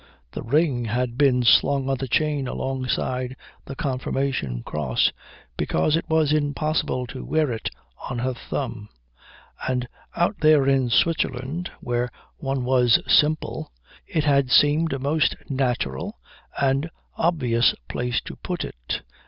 The ring had been slung on the chain alongside the confirmation cross because it was impossible to wear it on her thumb; and out there in Switzerland, where one was simple, it had seemed a most natural and obvious place to put it.